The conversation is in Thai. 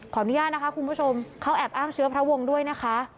อนุญาตนะคะคุณผู้ชมเขาแอบอ้างเชื้อพระวงศ์ด้วยนะคะ